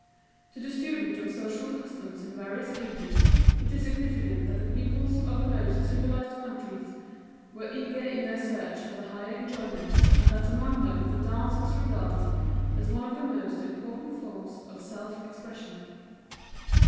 To the student of social customs in various ages it is significant that the peoples of the most civilized countries were eager in their search for the higher enjoyments, and that among them the dance was regarded as one of the most important forms of self expression.